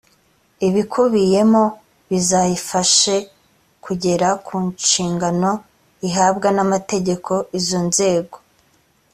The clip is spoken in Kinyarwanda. ibikubiyemo bizayifashe kugera ku nshingano ihabwa n amategeko izo nzego